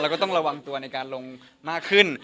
แล้วก็ต้องระวังตัวในการลงมากขึ้น